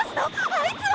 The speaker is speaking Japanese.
あいつは。